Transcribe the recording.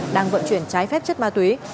đang vận chuyển trái phép chất ma túy